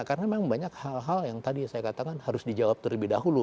karena memang banyak hal hal yang tadi saya katakan harus dijawab terlebih dahulu